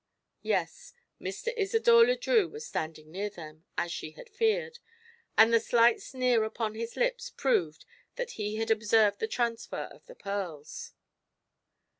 Yes, Mr. Isidore Le Drieux was standing near them, as she had feared, and the slight sneer upon his lips proved that he had observed the transfer of the pearls.